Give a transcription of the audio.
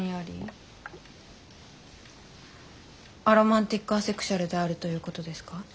アロマンティック・アセクシュアルであるということですか？